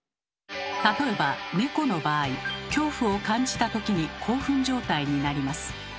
例えばネコの場合恐怖を感じた時に興奮状態になります。